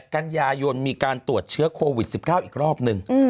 กันยายนมีการตรวจเชื้อโควิด๑๙อีกรอบนึง